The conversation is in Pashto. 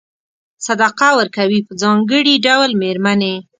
صدقه ورکوي په ځانګړي ډول مېرمنې.